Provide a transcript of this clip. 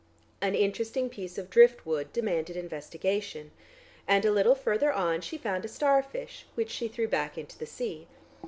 An interesting piece of drift wood demanded investigation, and a little further on she found a starfish which she threw back into the sea.